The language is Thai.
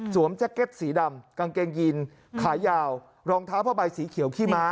แจ็คเก็ตสีดำกางเกงยีนขายาวรองเท้าผ้าใบสีเขียวขี้ม้า